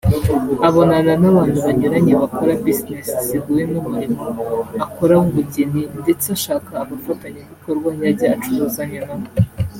abonana n’abantu banyuranye bakora Business zihuye n’Umurimo akora w’Ubugeni ndetse ashaka abafatanyabikorwa yajya acuruzanya nabo